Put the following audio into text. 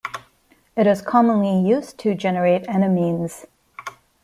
It is commonly used to generate enamines.